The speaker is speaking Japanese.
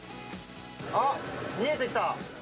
あっ、見えてきた。